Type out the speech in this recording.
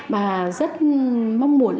và rất mong muốn